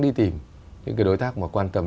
đi tìm những cái đối tác mà quan cầm